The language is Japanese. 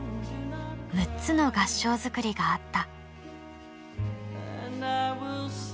６つの合掌造りがあった。